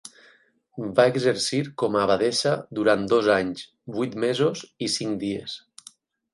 Va exercir com a abadessa durant dos anys, vuit mesos i cinc dies.